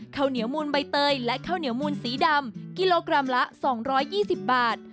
ข้าวเหนียวมูลใบเตยและข้าวเหนียวมูลสีดำกิโลกรัมละ๒๒๐บาท